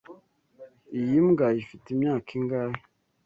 Iyi mbwa ifite imyaka ingahe?